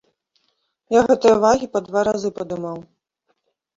Я гэтыя вагі па два разы падымаў.